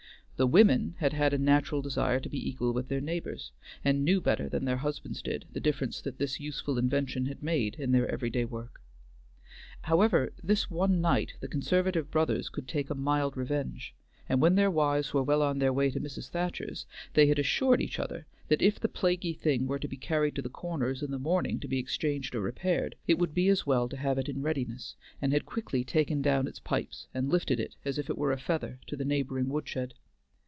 "The women" had had a natural desire to be equal with their neighbors, and knew better than their husbands did the difference this useful invention had made in their every day work. However, this one night the conservative brothers could take a mild revenge; and when their wives were well on their way to Mrs. Thacher's they had assured each other that, if the plaguey thing were to be carried to the Corners in the morning to be exchanged or repaired, it would be as well to have it in readiness, and had quickly taken down its pipes and lifted it as if it were a feather to the neighboring woodshed.